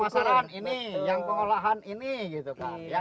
pemasaran ini yang pengolahan ini gitu kan